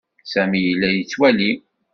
Sami yella yettwali.